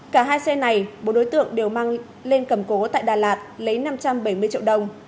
cả hai xe này bốn đối tượng đều mang lên cầm cố tại đà lạt lấy năm trăm bảy mươi triệu đồng